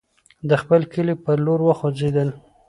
د خپل کلي پر لور وخوځېدل.